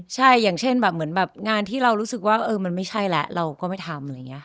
ใช่อย่างเช่นเหมือนงานที่เรารู้สึกว่ามันไม่ใช่แล้วเราก็ไม่ทำ